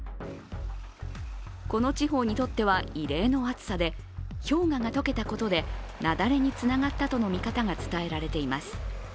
この地方にとっては異例の暑さで氷河が解けたことで雪崩につながったとの見方が伝えられています。